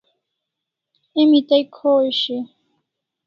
Emi tai khosh e?